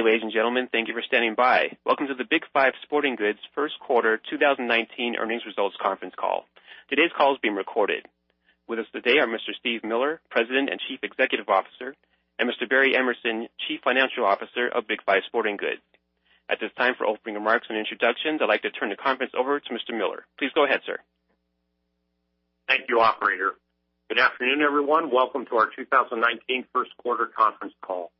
Ladies and gentlemen, thank you for standing by. Welcome to the Big 5 Sporting Goods First Quarter 2019 Earnings Results Conference Call. Today's call is being recorded. With us today are Mr. Steve Miller, President and Chief Executive Officer, and Mr. Barry Emerson, Chief Financial Officer of Big 5 Sporting Goods. At this time, for opening remarks and introductions, I'd like to turn the conference over to Mr. Miller. Please go ahead, sir. Thank you, operator. Good afternoon, everyone. Welcome to our 2019 first quarter conference call.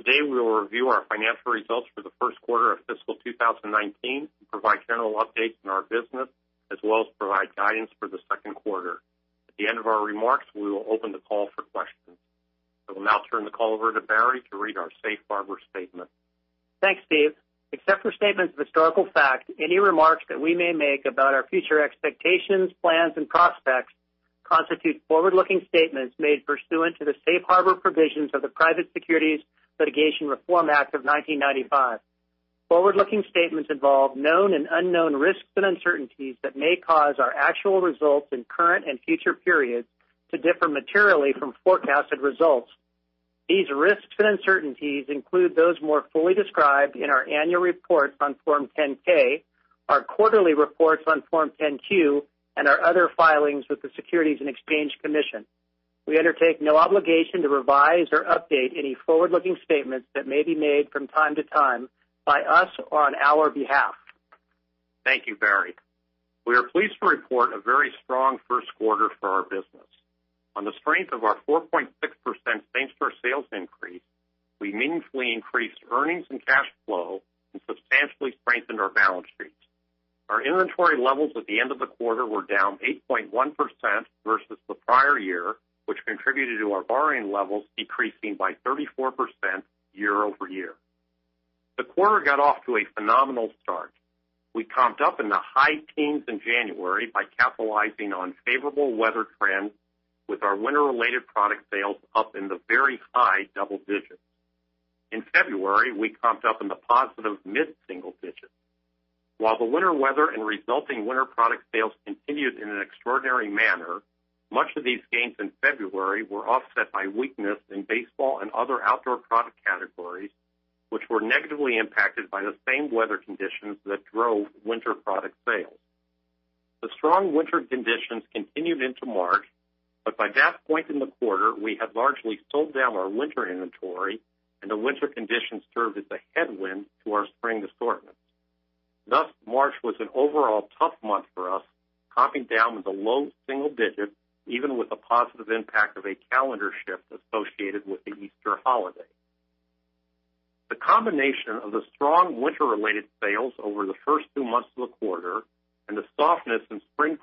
Today, we will review our financial results for the first quarter of fiscal 2019 and provide general updates on our business, as well as provide guidance for the second quarter. At the end of our remarks, we will open the call for questions. I will now turn the call over to Barry to read our safe harbor statement. Thanks, Steve. Except for statements of historical fact, any remarks that we may make about our future expectations, plans, and prospects constitute forward-looking statements made pursuant to the safe harbor provisions of the Private Securities Litigation Reform Act of 1995. Forward-looking statements involve known and unknown risks and uncertainties that may cause our actual results in current and future periods to differ materially from forecasted results. These risks and uncertainties include those more fully described in our annual report on Form 10-K, our quarterly reports on Form 10-Q, and our other filings with the Securities and Exchange Commission. We undertake no obligation to revise or update any forward-looking statements that may be made from time to time by us or on our behalf. Thank you, Barry. We are pleased to report a very strong first quarter for our business. On the strength of our 4.6% same-store sales increase, we meaningfully increased earnings and cash flow and substantially strengthened our balance sheet. Our inventory levels at the end of the quarter were down 8.1% versus the prior year, which contributed to our borrowing levels decreasing by 34% year-over-year. The quarter got off to a phenomenal start. We comped up in the high teens in January by capitalizing on favorable weather trends with our winter-related product sales up in the very high double digits. In February, we comped up in the positive mid-single digits. While the winter weather and resulting winter product sales continued in an extraordinary manner, much of these gains in February were offset by weakness in baseball and other outdoor product categories, which were negatively impacted by the same weather conditions that drove winter product sales. The strong winter conditions continued into March, but by that point in the quarter, we had largely sold down our winter inventory, and the winter conditions served as a headwind to our spring assortment. March was an overall tough month for us, comping down in the low single digits, even with the positive impact of a calendar shift associated with the Easter holiday. The combination of the strong winter-related sales over the first two months of the quarter and the softness in spring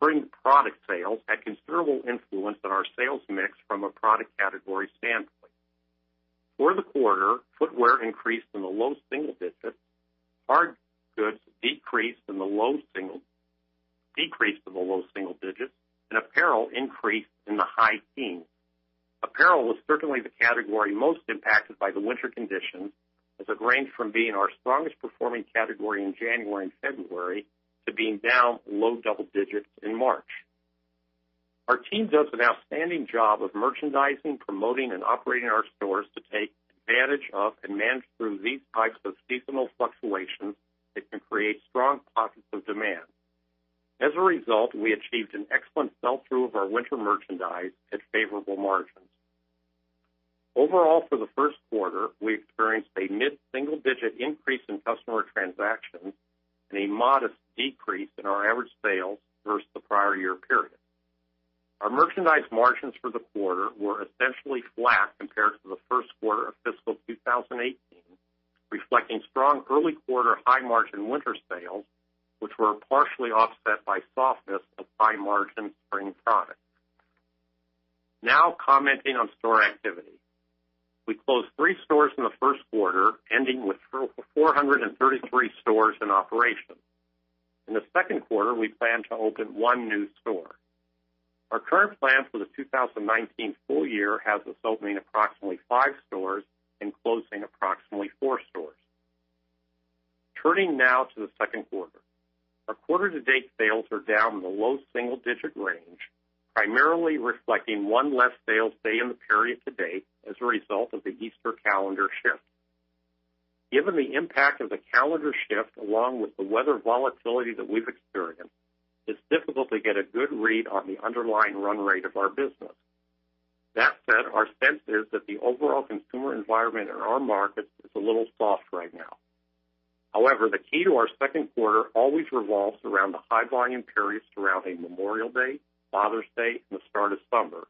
product sales had considerable influence on our sales mix from a product category standpoint. For the quarter, footwear increased in the low single digits, hard goods decreased in the low single digits, and apparel increased in the high teens. Apparel was certainly the category most impacted by the winter conditions, as it ranged from being our strongest performing category in January and February to being down low double digits in March. Our team does an outstanding job of merchandising, promoting, and operating our stores to take advantage of and manage through these types of seasonal fluctuations that can create strong pockets of demand. As a result, we achieved an excellent sell-through of our winter merchandise at favorable margins. Overall, for the first quarter, we experienced a mid-single-digit increase in customer transactions and a modest decrease in our average sales versus the prior year period. Our merchandise margins for the quarter were essentially flat compared to the first quarter of fiscal 2018, reflecting strong early quarter high-margin winter sales, which were partially offset by softness of high-margin spring products. Now commenting on store activity. We closed three stores in the first quarter, ending with 433 stores in operation. In the second quarter, we plan to open one new store. Our current plan for the 2019 full year has us opening approximately five stores and closing approximately four stores. Turning now to the second quarter. Our quarter-to-date sales are down in the low single-digit range, primarily reflecting one less sales day in the period to date as a result of the Easter calendar shift. Given the impact of the calendar shift, along with the weather volatility that we've experienced, it's difficult to get a good read on the underlying run rate of our business. Our sense is that the overall consumer environment in our markets is a little soft right now. The key to our second quarter always revolves around the high-volume periods surrounding Memorial Day, Father's Day, and the start of summer.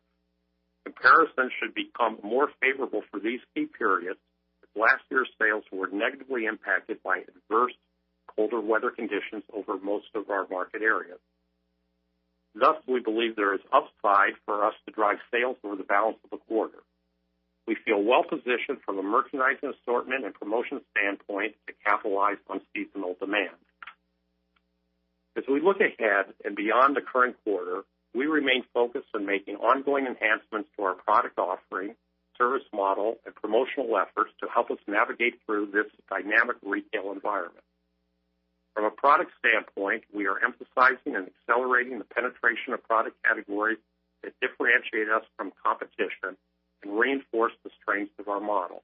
Comparisons should become more favorable for these key periods, as last year's sales were negatively impacted by adverse colder weather conditions over most of our market areas. We believe there is upside for us to drive sales over the balance of the quarter. We feel well positioned from a merchandising assortment and promotion standpoint to capitalize on seasonal demand. As we look ahead and beyond the current quarter, we remain focused on making ongoing enhancements to our product offering, service model, and promotional efforts to help us navigate through this dynamic retail environment. From a product standpoint, we are emphasizing and accelerating the penetration of product categories that differentiate us from competition and reinforce the strengths of our model.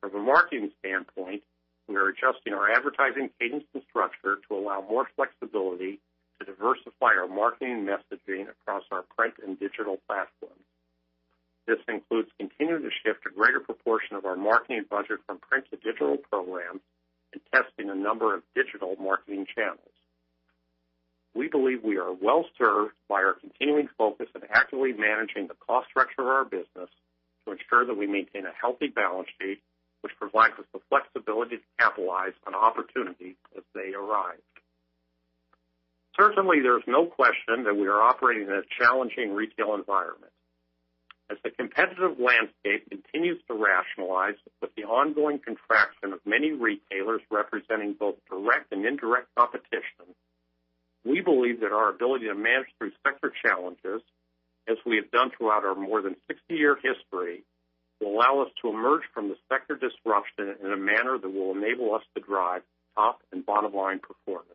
From a marketing standpoint, we are adjusting our advertising cadence and structure to allow more flexibility to diversify our marketing messaging across our print and digital platforms. This includes continuing to shift a greater proportion of our marketing budget from print to digital programs and testing a number of digital marketing channels. We believe we are well-served by our continuing focus on actively managing the cost structure of our business to ensure that we maintain a healthy balance sheet, which provides us the flexibility to capitalize on opportunities as they arise. Certainly, there's no question that we are operating in a challenging retail environment. As the competitive landscape continues to rationalize with the ongoing contraction of many retailers representing both direct and indirect competition, we believe that our ability to manage through sector challenges, as we have done throughout our more than 60-year history, will allow us to emerge from the sector disruption in a manner that will enable us to drive top and bottom line performance.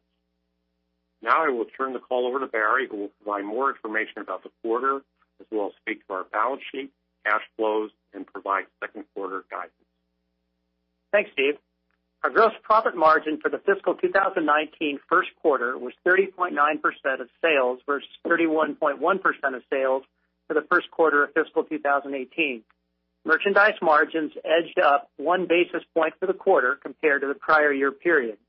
Now I will turn the call over to Barry, who will provide more information about the quarter as well as speak to our balance sheet, cash flows, and provide second quarter guidance. Thanks, Steve. Our gross profit margin for the fiscal 2019 first quarter was 30.9% of sales versus 31.1% of sales for the first quarter of fiscal 2018. Merchandise margins edged up one basis point for the quarter compared to the prior year period.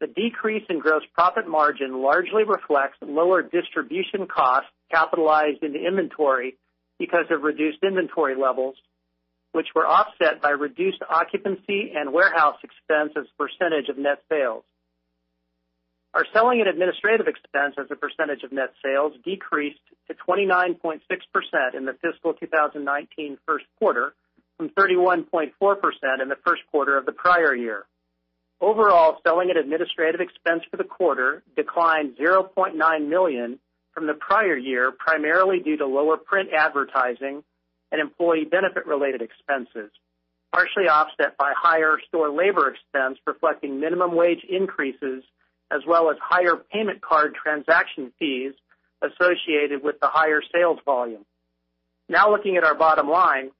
The decrease in gross profit margin largely reflects lower distribution costs capitalized into inventory because of reduced inventory levels, which were offset by reduced occupancy and warehouse expense as a percentage of net sales. Our selling and administrative expense as a percentage of net sales decreased to 29.6% in the fiscal 2019 first quarter from 31.4% in the first quarter of the prior year. Overall, selling and administrative expense for the quarter declined $0.9 million from the prior year, primarily due to lower print advertising and employee benefit related expenses, partially offset by higher store labor expense reflecting minimum wage increases, as well as higher payment card transaction fees associated with the higher sales volume. Now looking at our bottom line.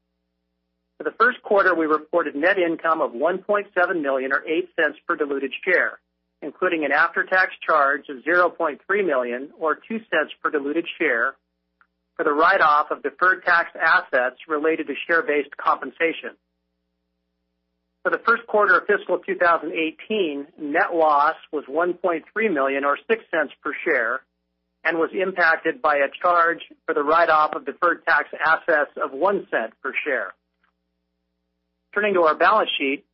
For the first quarter, we reported net income of $1.7 million or $0.08 per diluted share, including an after-tax charge of $0.3 million or $0.02 per diluted share for the write-off of deferred tax assets related to share-based compensation. For the first quarter of fiscal 2018, net loss was $1.3 million or $0.06 per share and was impacted by a charge for the write-off of deferred tax assets of $0.01 per share. Turning to our balance sheet,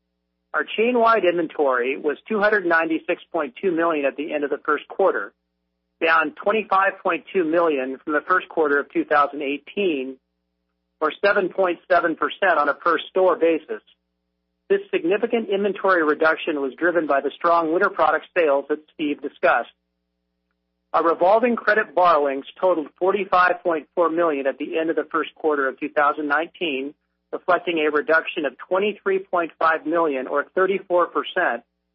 our chain-wide inventory was $296.2 million at the end of the first quarter, down $25.2 million from the first quarter of 2018, or 7.7% on a per store basis. This significant inventory reduction was driven by the strong winter product sales that Steve discussed. Our revolving credit borrowings totaled $45.4 million at the end of the first quarter of 2019, reflecting a reduction of $23.5 million or 34%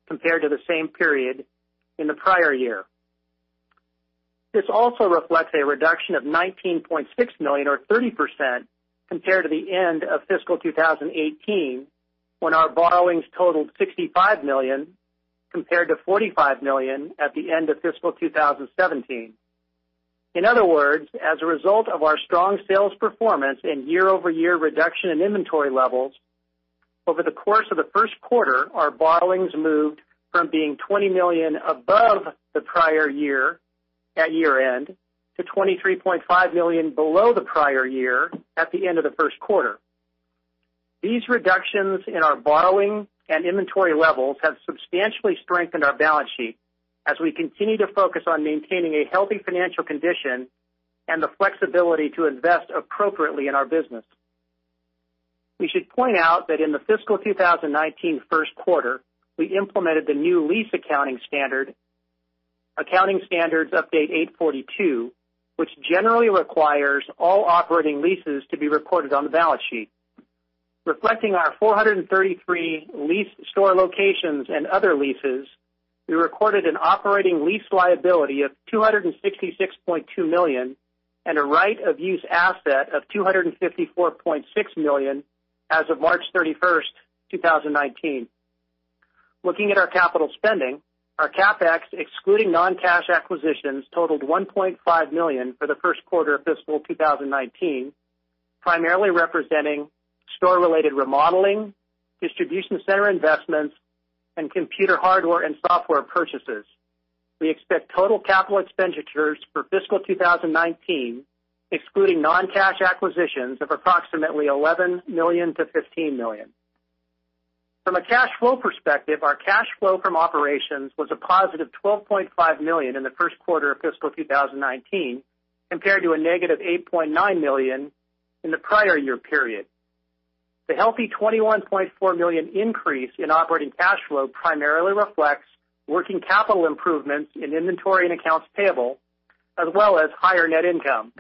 compared to the same period in the prior year. This also reflects a reduction of $19.6 million or 30% compared to the end of fiscal 2018, when our borrowings totaled $65 million compared to $45 million at the end of fiscal 2017. In other words, as a result of our strong sales performance and year-over-year reduction in inventory levels, over the course of the first quarter, our borrowings moved from being $20 million above the prior year at year end to $23.5 million below the prior year at the end of the first quarter. These reductions in our borrowing and inventory levels have substantially strengthened our balance sheet as we continue to focus on maintaining a healthy financial condition and the flexibility to invest appropriately in our business. We should point out that in the fiscal 2019 first quarter, we implemented the new lease accounting standard, Accounting Standards Update 842, which generally requires all operating leases to be recorded on the balance sheet. Reflecting our 433 leased store locations and other leases, we recorded an operating lease liability of $266.2 million and a right of use asset of $254.6 million as of March 31, 2019. Looking at our capital spending, our CapEx, excluding non-cash acquisitions, totaled $1.5 million for the first quarter of fiscal 2019, primarily representing store-related remodeling, distribution center investments, and computer hardware and software purchases. We expect total capital expenditures for fiscal 2019, excluding non-cash acquisitions, of approximately $11 million-$15 million. From a cash flow perspective, our cash flow from operations was a positive $12.5 million in the first quarter of fiscal 2019, compared to a negative $8.9 million in the prior year period. The healthy $21.4 million increase in operating cash flow primarily reflects working capital improvements in inventory and accounts payable, as well as higher net income.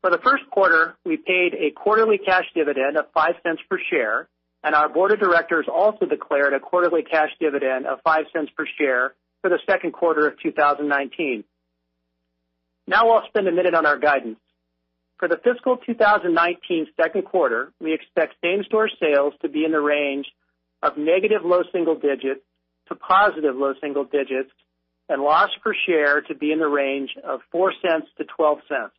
For the first quarter, we paid a quarterly cash dividend of $0.05 per share, and our board of directors also declared a quarterly cash dividend of $0.05 per share for the second quarter of 2019. I'll spend a minute on our guidance. For the fiscal 2019 second quarter, we expect same store sales to be in the range of negative low single digits to positive low single digits and loss per share to be in the range of $0.04-$0.12.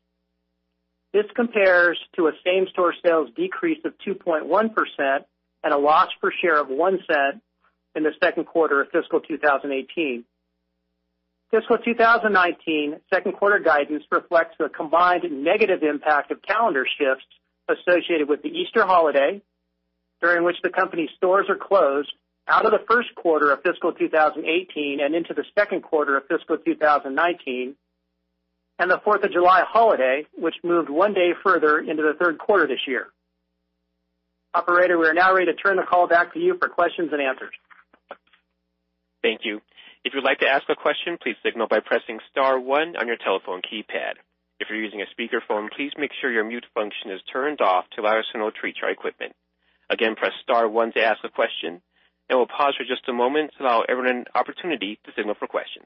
This compares to a same store sales decrease of 2.1% and a loss per share of $0.01 in the second quarter of fiscal 2018. Fiscal 2019 second quarter guidance reflects the combined negative impact of calendar shifts associated with the Easter holiday, during which the company stores are closed out of the first quarter of fiscal 2018 and into the second quarter of fiscal 2019, and the Fourth of July holiday, which moved one day further into the third quarter this year. Operator, we are now ready to turn the call back to you for questions and answers. Thank you. If you'd like to ask a question, please signal by pressing star one on your telephone keypad. If you're using a speakerphone, please make sure your mute function is turned off to allow us to know to treat your equipment. Again, press star one to ask a question, and we'll pause for just a moment to allow everyone an opportunity to signal for questions.